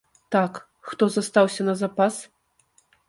Так, хто застаўся на запас?